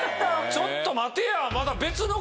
ちょっと待てや。